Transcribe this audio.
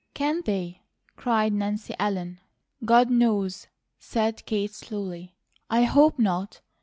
"Can they?" cried Nancy Ellen. "God knows!" said Kate, slowly. "I HOPE not.